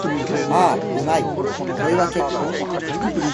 ああ、うまい。これは結構。